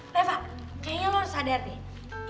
reva kayaknya lo udah sadar deh